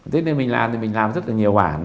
thế nên mình làm mình làm rất là nhiều hoãn